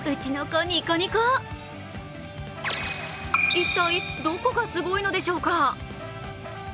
一体、どこがすごいのでしょうか？